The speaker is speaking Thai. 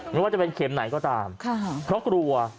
ไม่ว่าจะเป็นเข็มไหนก็ตามเพราะกลัว